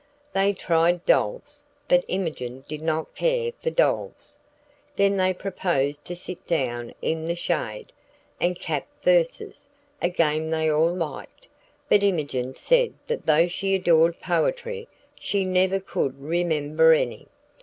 They tried dolls, but Imogen did not care for dolls. Then they proposed to sit down in the shade, and cap verses, a game they all liked. But Imogen said that though she adored poetry, she never could remember any.